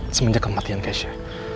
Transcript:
semenjak kematian keisha